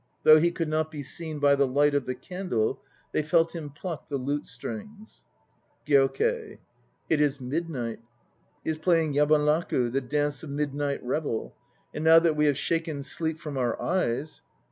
Though he could not be seen by the light of the candle, they felt him pluck the lute strings. ... GYOKEI. It is midnight. He is playing Yabanraku, the dance of midnight revel. And now that we have shaken sleep from our eyes